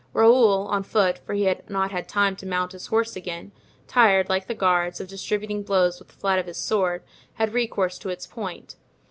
Raoul, on foot, for he had not time to mount his horse again, tired, like the guards, of distributing blows with the flat of his sword, had recourse to its point.